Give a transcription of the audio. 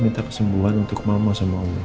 minta kesembuhan untuk mama sama allah